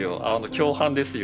共犯ですよ。